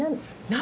何？